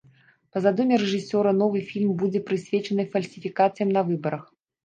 Па задуме рэжысёра, новы фільм будзе прысвечаны фальсіфікацыям на выбарах.